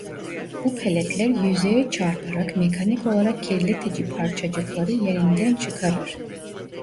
Bu peletler yüzeye çarparak mekanik olarak kirletici parçacıkları yerinden çıkarır.